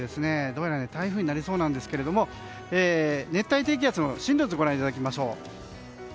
どうやら台風になりそうなんですが熱帯低気圧の進路図をご覧いただきましょう。